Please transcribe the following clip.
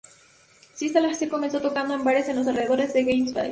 Sister Hazel comenzó tocando en bares en los alrededores de Gainesville.